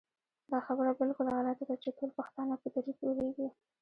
دا خبره بالکل غلطه ده چې ټول پښتانه په دري پوهېږي